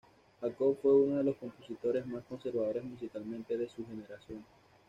Jacob fue uno de los compositores más conservadores musicalmente de su generación.